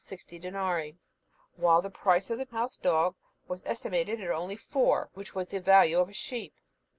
sixty denarii, while the price of the house dog was estimated at only four, which was the value of a sheep.